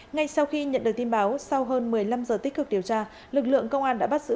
ngay sau khi nhận được tin báo sau hơn một mươi năm giờ tích cực điều tra lực lượng công an đã bắt giữ